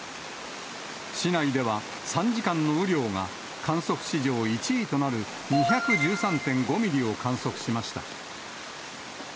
市内では３時間の雨量が観測史上１位となる２１３．５ミリを観測しました。